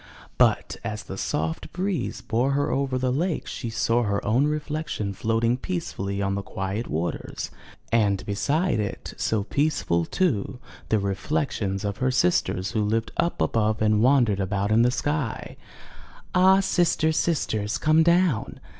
But, as the soft breeze bore her over the lake, she saw her own reflection floating peacefully on the quiet waters, and beside it, so peaceful, too, the reflections of her sisters who lived up above and wandered about in the sky. 119 M Y BOOK HOUSE Ah, sisters, sisters, come down!